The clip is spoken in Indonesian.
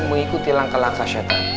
mengikuti langkah langkah syaitan